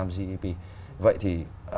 một năm gep vậy thì